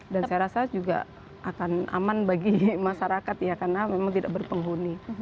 dan saya rasa juga akan aman bagi masyarakat ya karena memang tidak berpenghuni